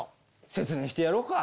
説明してやろうか。